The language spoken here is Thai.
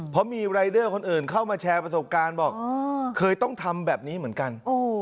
เพราะมีรายเดอร์คนอื่นเข้ามาแชร์ประสบการณ์บอกเคยต้องทำแบบนี้เหมือนกัน